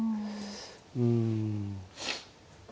うん。